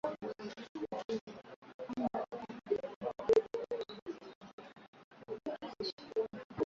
bunge la tanzania lilipitisha sheria ya benki kuu